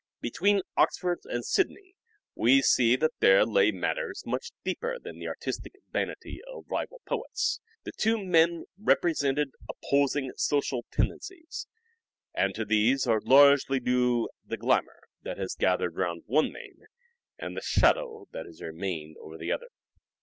Between Oxford and Sidney we see that there lay matters much deeper than the artistic vanity of rival poets. The two men represented opposing social tendencies, and to these are largely due the glamour that has gathered round one name and the shadow that has remained over the other.